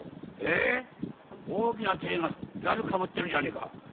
え大きな鯛がザルかぶってるじゃねえか。